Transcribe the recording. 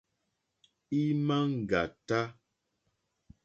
Ímá ŋɡàtá.